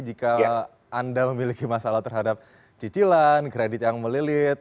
jika anda memiliki masalah terhadap cicilan kredit yang melilit